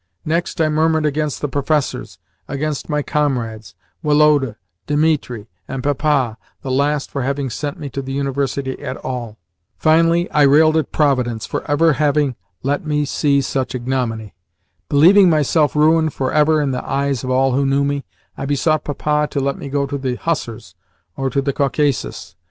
Next, I murmured against the professors, against my comrades, Woloda, Dimitri, and Papa (the last for having sent me to the University at all). Finally, I railed at Providence for ever having let me see such ignominy. Believing myself ruined for ever in the eyes of all who knew me, I besought Papa to let me go into the hussars or to the Caucasus.